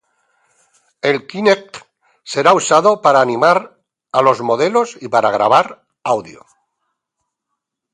El Kinect será usado para animar a los modelos y para grabar audio.